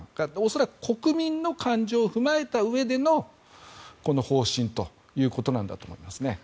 恐らく国民の感情を踏まえたうえでの方針だと思います。